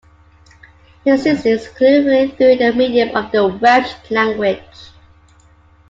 He sings exclusively through the medium of the Welsh language.